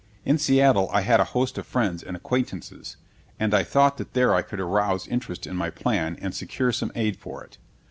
In Seattle I had a host of friends and acquaintances, and I thought that there I could arouse interest in my plan and secure some aid for it.